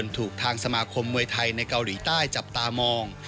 ถูกทางสมาคมมวยไทยในเกาหลีใต้จับตามอง